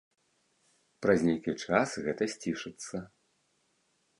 Праз нейкі час гэта сцішыцца.